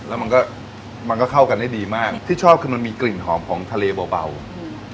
แล้วมันก็มันก็เข้ากันได้ดีมากที่ชอบคือมันมีกลิ่นหอมของทะเลเบาเบาอืม